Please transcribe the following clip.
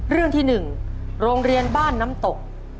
เรื่องที่๑โรงเรียนบ้านน้ำตก